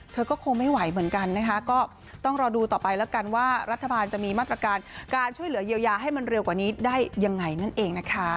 เธอก็คงไม่ไหวเหมือนกันนะคะก็ต้องรอดูต่อไปแล้วกันว่ารัฐบาลจะมีมาตรการการช่วยเหลือเยียวยาให้มันเร็วกว่านี้ได้ยังไงนั่นเองนะคะ